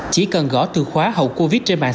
chỉ cần gõ từ khóa hậu covid trên mạng